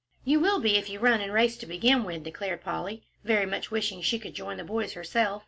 "You will be if you run and race to begin with," declared Polly, very much wishing she could join the boys herself.